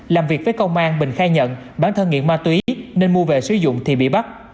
làm việc với công an bình khai nhận bản thân nghiện ma túy nên mua về sử dụng thì bị bắt